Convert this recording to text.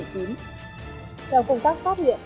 trong công tác phát hiện